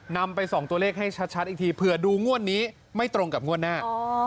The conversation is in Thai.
นำไปส่องตัวเลขให้ชัดอีกทีเผื่อดูงวดนี้ไม่ตรงกับงวดหน้า